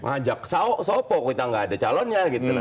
ajak sopok kita nggak ada calonnya gitu